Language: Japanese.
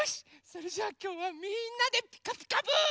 それじゃあきょうはみんなで「ピカピカブ！」。